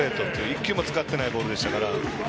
１球も使っていないボールでしたから。